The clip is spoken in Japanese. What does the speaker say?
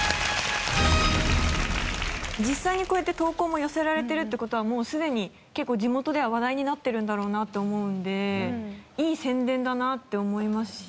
実際にこうやって投稿も寄せられてるって事はもうすでに地元では話題になってるんだろうなって思うんでいい宣伝だなって思いますし。